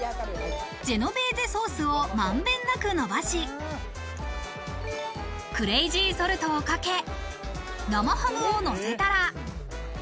ジェノベーゼソースを満遍なくのばし、クレイジーソルトをかけ、生ハムをのせたら。